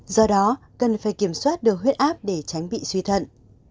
do đó cần phải kiểm soát được huyết áp để tránh bị suy thận